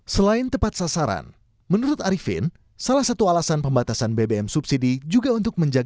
selain tepat sasaran menurut arifin salah satu alasan pembatasan bbm subsidi juga untuk menjaga